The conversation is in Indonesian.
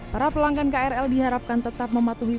para pelanggan krl diharapkan tetap mematuhi